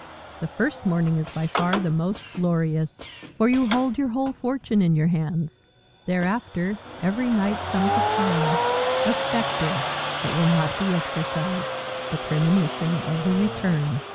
The first morning is by far the most glorious, for you hold your whole fortune in your hands. Thereafter, every night, comes a pang, a spectre, that will not be exorcised the premonition of the return.